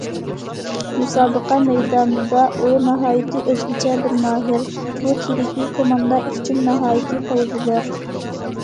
مۇسابىقە مەيدانىدا ئۇ، ناھايىتى ئۆزگىچە بىر ماھىر، بۇ تىرىپى كوماندا ئۈچۈن ناھايىتى پايدىلىق.